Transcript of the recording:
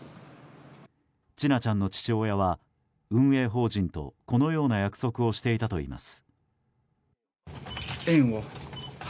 千奈ちゃんの父親は運営法人とこのような約束をしていたといいます。